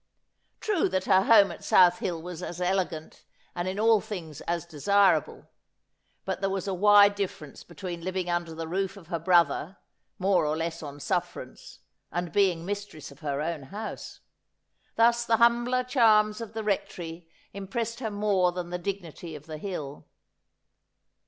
True that her home at South Hill was as elegant, and in all things as desirable ; but there was a wide difEerence between living under the roof of her brother, more or less on sufferance, and being mistress of her own house. Thus the humbler charms of the Rectory impressed her more than the dignity of the Hill.